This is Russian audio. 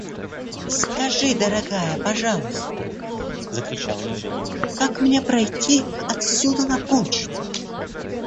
– Скажи, дорогая, пожалуйста, – закричала ей Женя, – как мне пройти отсюда на почту?